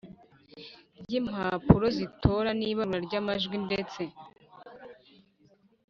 ry impapuro z itora n ibarura ry amajwi ndetse